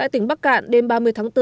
tại tỉnh bắc cạn đêm ba mươi tháng bốn